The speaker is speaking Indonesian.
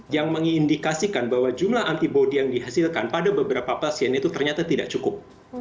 yang mengindikasikan bahwa jumlah antibody yang dihasilkan pada beberapa pasien itu ternyata tidak cukup